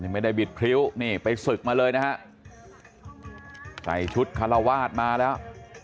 ไม่ได้บิดพริ้วนี่ไปศึกมาเลยนะฮะใส่ชุดคาราวาสมาแล้ว